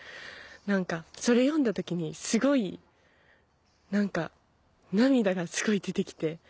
何かそれ読んだ時にすごい涙がすごい出て来て。